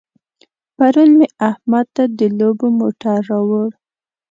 پرون مې احمد ته د لوبو موټر راوړ.